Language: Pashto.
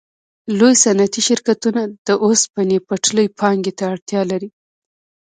لوی صنعتي شرکتونه او د اوسپنې پټلۍ پانګې ته اړتیا لري